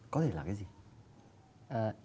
có thể là cái gì